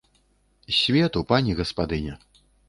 З свету, пані гаспадыня!